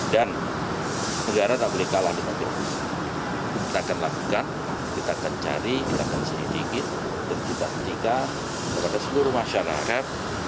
dan negara tak boleh kalah dengan itu kita akan lakukan kita akan cari kita akan sedikit dan kita ketika kepada seluruh masyarakat